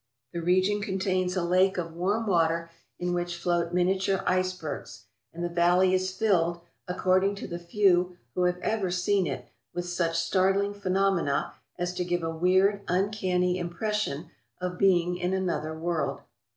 The region contains a lake of warm water in which float miniature icebergs, and the valley is filled, according to the few who have ever seen it, with such startling phenomena as to give a weird, uncanny im pression of being in another world.